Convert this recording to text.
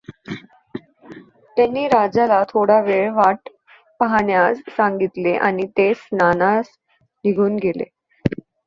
त्यांनी राजाला थोडा वेळ वाट पाहण्यास सांगितले आणि ते स्नानास निघून गेले.